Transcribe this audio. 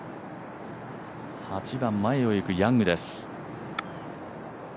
８番、前を行くヤングです。